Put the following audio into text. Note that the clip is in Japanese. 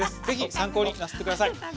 ぜひ参考になさってください。